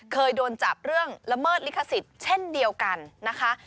เคยโดนจับเรื่องละเมิดลิขสิทธิ์เช่นเดียวกันนะคะ